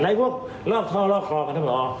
แล้วพวกรอบท่อรอบคลองมันทำเหรอ